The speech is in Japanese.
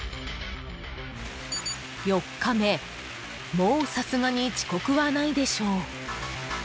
［もうさすがに遅刻はないでしょう］